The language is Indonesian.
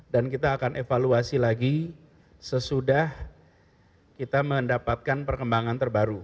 dan kita akan evaluasi lagi sesudah kita mendapatkan perkembangan terbaru